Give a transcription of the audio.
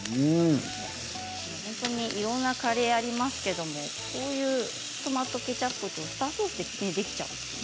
いろんなカレーがありますけどこういうトマトケチャップとウスターソースでできちゃうんですね。